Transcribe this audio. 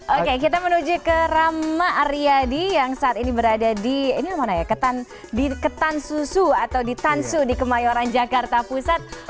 oke kita menuju ke rama aryadi yang saat ini berada di ketan susu atau di tansu di kemayoran jakarta pusat